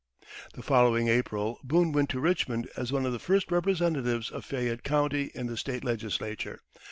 The following April Boone went to Richmond as one of the first representatives of Fayette County in the State legislature.